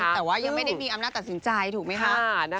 แต่ว่ายังไม่ได้มีอำนาจตัดสินใจถูกไหมคะ